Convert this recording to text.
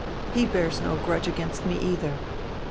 He bears no grudge against me eidier.